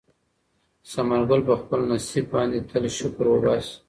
ثمر ګل په خپل نصیب باندې تل شکر وباسي.